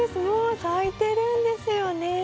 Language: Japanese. もう咲いてるんですよね。